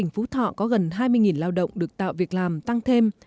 phú thọ có gần hai mươi lao động được tạo việc làm tăng thêm